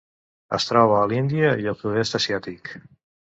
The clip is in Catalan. Es troba a l'Índia i el Sud-est asiàtic.